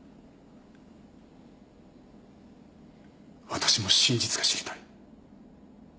私も真実が知りたい。